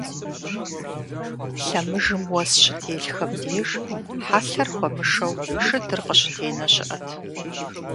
Лъэмыжым уэс щытелъхэм деж, хьэлъэр хуэмышэу, шыдыр къыщытенэ щыӀэт.